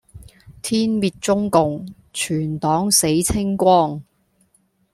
天滅中共，全黨死清光